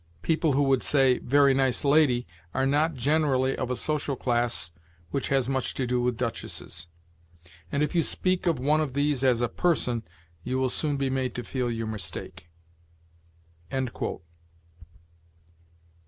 People who would say 'very nice lady' are not generally of a social class which has much to do with duchesses; and if you speak of one of these as a 'person,' you will soon be made to feel your mistake."